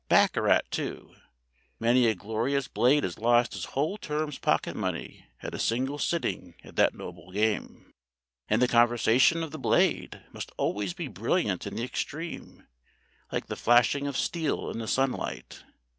Baccarat, too. Many a glorious Blade has lost his whole term's pocket money at a single sitting at that noble game. And the conversation of the Blade must always be brilliant in the extreme, like the flashing of steel in the sunlight.